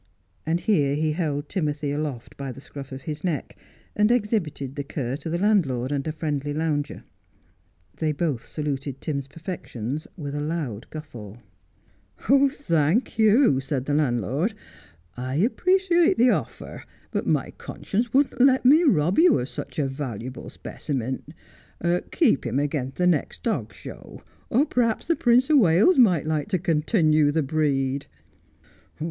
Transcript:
And here he held Timothy aloft by the scruff of his neck, an^ exhibited the cur to the landlord and a friendly lounger. They both saluted Tim's perfections with a loud guffaw. Every Dog Has His Day. 11 ' Thank you,' said the landlord. ' I appreciate the offer, but my conscience wouldn't let me rob you of such a valuable speci raint. Keep him agen the next dog show ; or p'r'aps the Prince o' Wales might like to continoo the breed.'